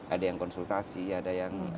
ada yang konsultasi ada yang